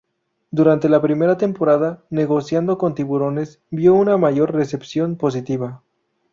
Durante la primera temporada, Negociando con tiburones vio una mayor recepción positiva.